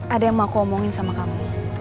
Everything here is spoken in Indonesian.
ada yang mau aku omongin sama kamu